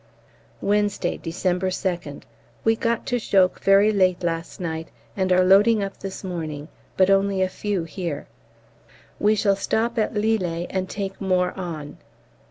Wednesday, December 2nd. We got to Chocques very late last night and are loading up this morning, but only a few here; we shall stop at Lillers and take more on.